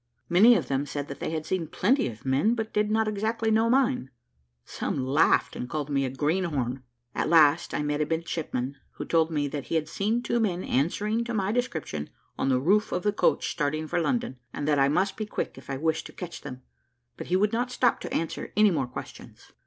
Many of them said that they had seen plenty of men, but did not exactly know mine; some laughed, and called me a greenhorn. At last I met a midshipman, who told me that he had seen two men answering to my description on the roof of the coach starting for London, and that I must be quick if I wished to catch them; but he would not stop to answer any more questions.